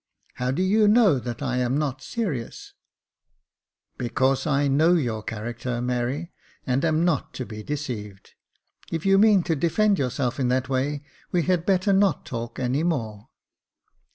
How do you know that I am not serious ?"" Because I know your character, Mary, and am not to be deceived. If you mean to defend yourself in that way, we had better not talk any more."